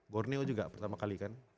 borneo juga pertama kali kan